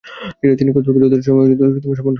তিনি কর্তৃপক্ষকে যথেষ্ট সমীহ ও সম্মান করতে শিখেছিলেন।